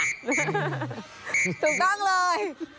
ถูกต้องเลย